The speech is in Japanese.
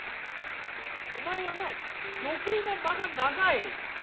お前はな余計な間が長い。